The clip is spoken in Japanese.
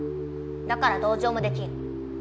だから同情もできん。